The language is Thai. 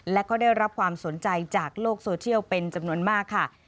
และก็ได้รับความสนใจจากโลกโซเชียลเป็นจำนวนมากค่ะ